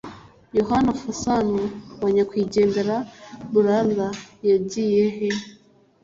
Yohana Fasanu wa Nyakwigendera Brother yagiyehe